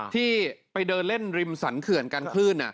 ที่ไปเดินเล่นริมสรรเขื่อนกันคลื่น